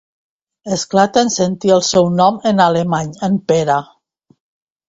Esclata en sentir el seu nom en alemany, en Pere.